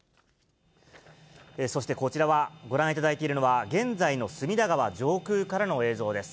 そしてこちらは、ご覧いただいているのは、現在の隅田川上空からの映像です。